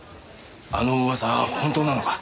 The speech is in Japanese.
あの噂本当なのか？